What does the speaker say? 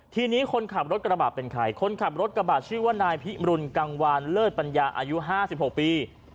ทีนี้คนขับรถกระบะเป็นใครคนขับรถกระบะชื่อว่านายพิมรุนกังวานเลิศปัญญาอายุ๕๖ปี